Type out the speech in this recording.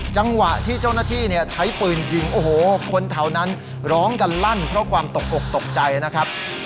จังหวะที่เจ้าหน้าที่ใช้ปืนยิงโอ้โหคนแถวนั้นร้องกันลั่นเพราะความตกอกตกใจนะครับ